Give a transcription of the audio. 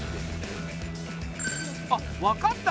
あっ分かった。